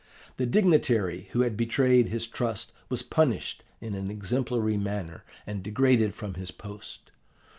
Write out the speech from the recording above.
The dignitary who had betrayed his trust was punished in an exemplary manner and degraded from his post.